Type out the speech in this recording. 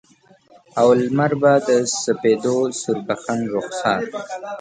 او لمر به د سپیدو سوربخن رخسار